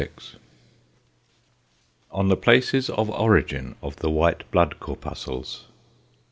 II. ON THE PLACES OF ORIGIN OF THE WHITE BLOOD CORPUSCLES.